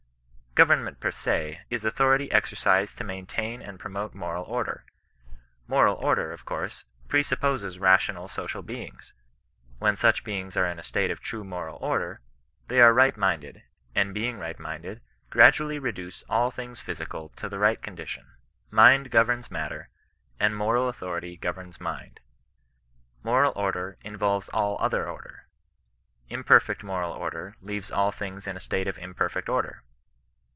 Government per se is autho rity exercised to maintain and promote moral order. Moral order, of course, presupposes rational social be ings. When such beings are in a state of true moral order, they are right minded, and being right minded, gradually reduce ail things physical to the right condi tion. Mind governs matterj and moral authority governs mind. Moral order involves all other order. Imperfect moral order leaves all things in a state of imperfect or der.